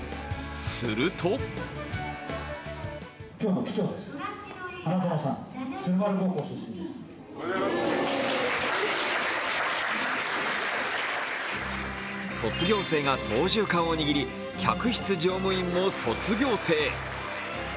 すると卒業生が操縦かんを握り客室乗務員も卒業生。